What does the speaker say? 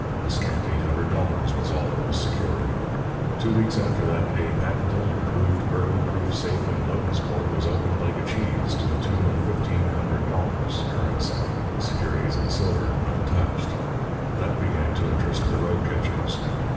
A scant eight hundred dollars was all that was secured. Two weeks after that a patented, improved, burglar proof safe in Logansport was opened like a cheese to the tune of fifteen hundred dollars, currency; securities and silver untouched. That began to interest the rogue catchers.